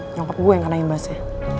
nyongkup gue yang kena imbasnya